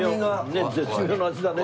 ねっ絶妙な味だね。